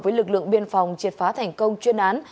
với lực lượng biên phòng triệt phá thành công chuyên án